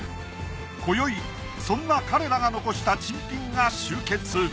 こよいそんな彼らが残した珍品が集結。